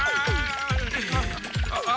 ああ！